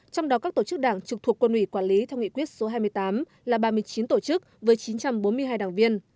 trong đó các tổ chức đảng trực thuộc quân ủy quản lý theo nghị quyết số hai mươi tám là ba mươi chín tổ chức với chín trăm bốn mươi hai đảng viên